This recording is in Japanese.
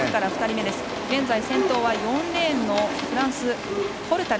現在、先頭は４レーンのフランス、ポルタル。